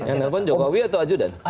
yang telfon jokowi atau ajudan